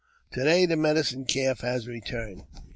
" To day the Medicine Calf has returned.